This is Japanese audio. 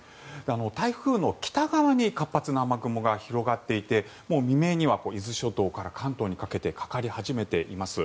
台風の北側に活発な雨雲が広がっていてもう未明には伊豆諸島から関東にかけてかかり始めています。